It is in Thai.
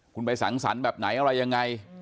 คุณไปสังสรรค์แบบไหนอะไรยังไง